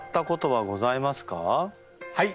はい。